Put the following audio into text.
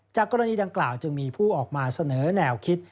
กรณีดังกล่าวจึงมีผู้ออกมาเสนอแนวคิด